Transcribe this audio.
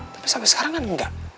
tapi sampai sekarang kan enggak